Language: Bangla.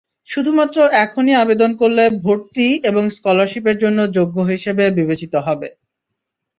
শুধুমাত্র এখনই আবেদন করলে ভর্তি এবং স্কলারশিপের জন্য যোগ্য হিসেবে বিবেচিত হবে।